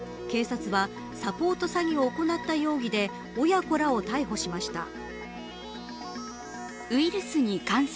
警察はサポート詐欺を行った容疑で親子らを逮捕しました。